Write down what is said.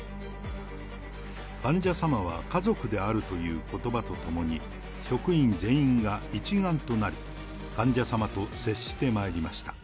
患者様は家族であるということばとともに、職員全員が一丸となり、患者様と接してまいりました。